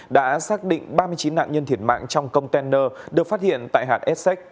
đã xác định ba mươi chín nạn nhân thiệt mạng trong container được phát hiện tại hạt stec